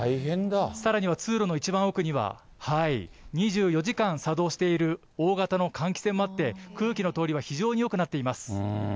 さらには通路の一番奥には、２４時間作動している大型の換気扇もあって、空気の通りは非常によくなっています。